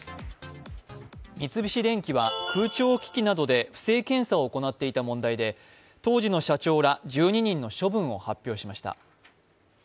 三菱電機は空調機器などで不正検査を行っていた問題で当時の社長ら１２人の処分を発表しました。